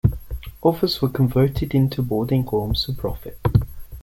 Others were converted into boarding homes for profit.